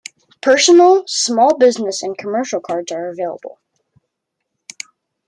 Personal, small business and commercial cards are available.